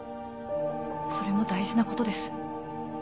それも大事なことです。